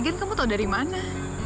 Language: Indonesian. lagian kamu tau dari mana